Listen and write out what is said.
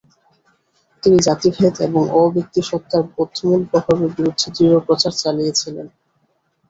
তিনি জাতিভেদ এবং অ-ব্যক্তিসত্ত্বার বদ্ধমূল প্রভাবের বিরুদ্ধে দৃঢ় প্রচার চালিয়েছিলেন।